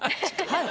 はい。